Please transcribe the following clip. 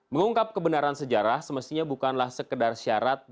mengungkap kebenaran sejarah semestinya bukanlah sekedar syarat dan hal